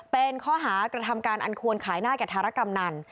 เป็นข้อหากระทำการอันควรขายหน้าแก่ธารกำนัน